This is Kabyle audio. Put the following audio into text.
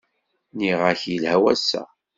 Nniɣ-ak yelha wass-a!